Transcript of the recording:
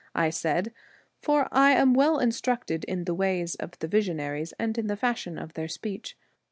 ' I said ; for I am well instructed in the ways of the visionaries and in the fashion of their speech.